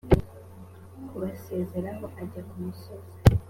kubasezeraho ajya ku musozi